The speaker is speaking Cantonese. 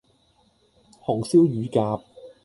紅燒乳鴿